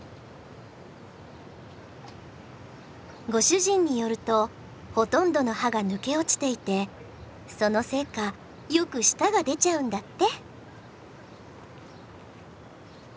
ご主人によるとほとんどの歯が抜け落ちていてそのせいかよく舌が出ちゃうんだって。